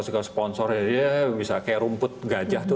suka sponsor aja bisa kayak rumput gajah tuh